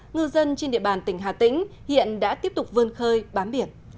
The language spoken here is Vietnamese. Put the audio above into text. ngư dân trên địa bàn tỉnh hà tĩnh hiện đã tiếp tục vươn khơi bám biển